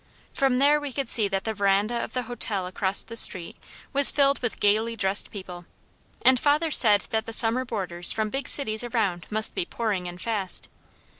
From there we could see that the veranda of the hotel across the street was filled with gayly dressed people, and father said that the summer boarders from big cities around must be pouring in fast.